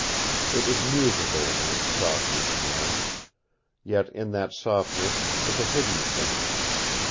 It was musical in its softness now. Yet in that softness was a hidden thing.